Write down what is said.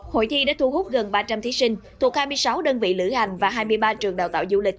hội thi đã thu hút gần ba trăm linh thí sinh thuộc hai mươi sáu đơn vị lữ hành và hai mươi ba trường đào tạo du lịch